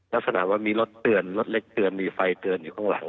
ลักษณะว่ามีรถเตือนรถเล็กเตือนมีไฟเตือนอยู่ข้างหลัง